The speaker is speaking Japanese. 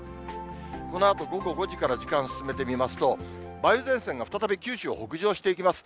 このあと午後５時から時間進めてみますと、梅雨前線が再び九州を北上していきます。